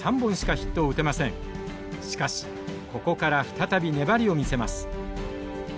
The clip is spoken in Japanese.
しかしここから再び粘りを見せます。